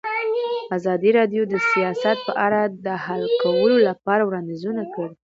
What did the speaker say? ازادي راډیو د سیاست په اړه د حل کولو لپاره وړاندیزونه کړي.